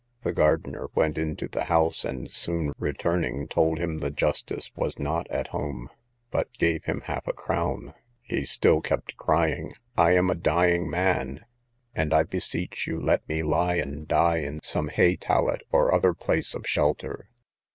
The gardener went into the house, and, soon returning, told him the justice was not at home; but gave him half a crown. He still kept crying, I am a dying man, and I beseech you let me lie and die in some hay tallet, or any place of shelter.